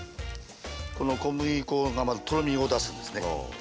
この小麦粉がまずとろみを出すんですね。